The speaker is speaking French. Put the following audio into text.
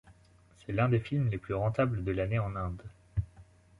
C'est l'un des films les plus rentables de l'année en Inde.